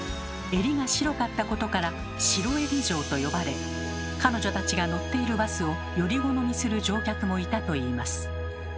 襟が白かったことから「白襟嬢」と呼ばれ彼女たちが乗っているバスをより好みする乗客もいたといいます。